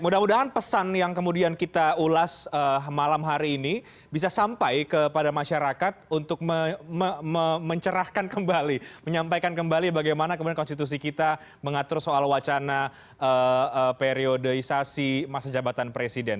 mudah mudahan pesan yang kemudian kita ulas malam hari ini bisa sampai kepada masyarakat untuk mencerahkan kembali menyampaikan kembali bagaimana kemudian konstitusi kita mengatur soal wacana periodeisasi masa jabatan presiden